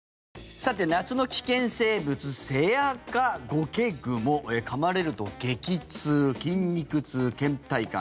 さて、夏の危険生物セアカゴケグモかまれると激痛、筋肉痛、けん怠感。